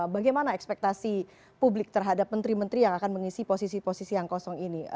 bagaimana ekspektasi publik terhadap menteri menteri yang akan mengisi posisi posisi yang kosong ini